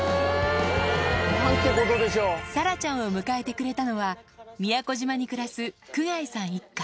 サラちゃんを迎えてくれたのは、宮古島に暮らす久貝さん一家。